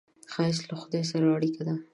ښایست له خدای سره اړیکه ده